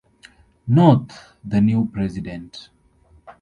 North the new president.